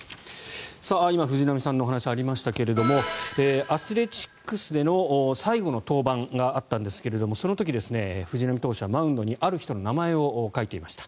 今、藤浪さんのお話がありましたがアスレチックスでの最後の登板があったんですがその時、藤浪投手はマウンドにある人の名前を書いていました。